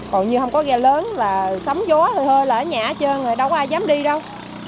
còn như không có ghe lớn là sóng gió hơi hơi lở nhả trơn rồi đâu có ai dám đi đâu